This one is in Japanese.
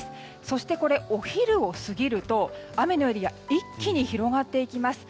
そして、お昼を過ぎると雨のエリアが一気に広がっていきます。